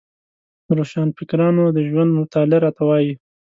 د روښانفکرانو د ژوند مطالعه راته وايي.